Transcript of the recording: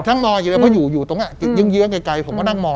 นั่งมองอย่างเดียวเพราะอยู่ตรงนั้นยื้องไกลผมก็นั่งมอง